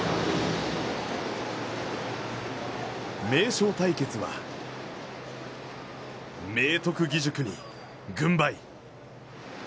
名将対決は、明徳義塾に軍配。